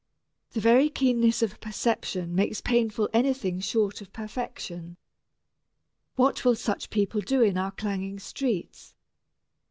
The very keenness of perception makes painful anything short of perfection. What will such people do in our clanging streets?